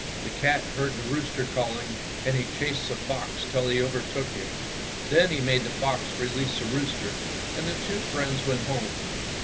The cat heard the rooster calling, and he chased the fox till he overtook him. Then he made the fox release the rooster, and the two friends went home.